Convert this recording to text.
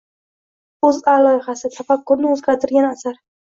OʻzA loyihasi: Tafakkurni oʻzgartirgan asar